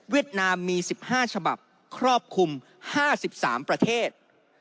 นามมี๑๕ฉบับครอบคลุม๕๓ประเทศ